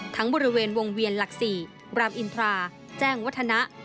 บริเวณวงเวียนหลัก๔รามอินทราแจ้งวัฒนะ